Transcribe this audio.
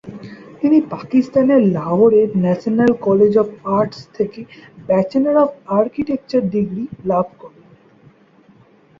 তিনি পাকিস্তানের লাহোরের ন্যাশনাল কলেজ অফ আর্টস থেকে ব্যাচেলর অফ আর্কিটেকচার ডিগ্রি লাভ করেন।